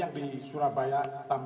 yang di surabaya